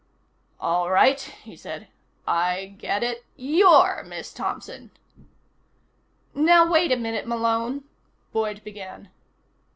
"All right," he said. "I get it. You're Miss Thompson." "Now, wait a minute, Malone," Boyd began.